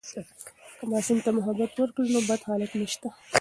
که ماشوم ته محبت وکړو، نو بد حالات نشته.